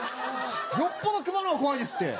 よっぽど熊のほうが怖いですって。